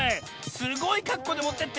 すごいかっこうでもってってんね。